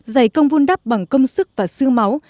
giày công vun đắp bằng công sức và sưu máu